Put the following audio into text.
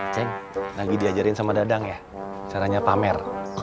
ceng lagi diajarin sama dadang ya caranya pamer